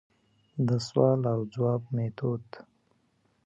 دسوال او ځواب ميتود: